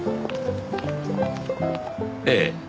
ええ。